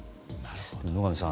野上さん。